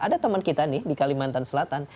ada teman kita nih di kalimantan selatan